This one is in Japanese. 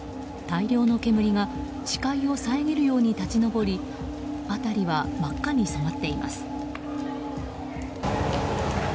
大量の煙が視界を遮るように立ち上り辺りは真っ赤に染まっています。